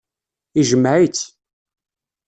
Ijmeɛ-itt.